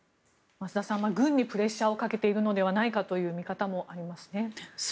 増田さん軍にプレッシャーをかけているのではないかという見方もありますね。